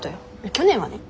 去年はね。